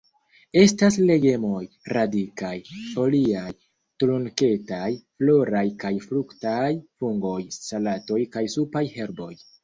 Estas legomoj: radikaj, foliaj, trunketaj, floraj kaj fruktaj; fungoj, salatoj kaj supaj herboj.